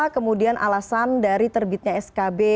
kemudian alasan dari terbitnya skb